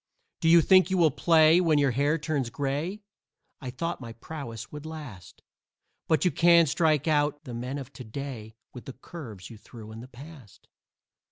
Do you think you will play when your hair turns gray? I thought my prowess would last, But you can't strike out the men of to day With the curves you threw in the past!"